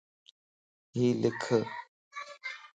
ھيَ لک